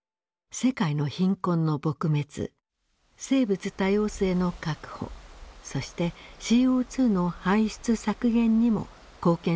世界の貧困の撲滅生物多様性の確保そしてＣＯの排出削減にも貢献するものとしています。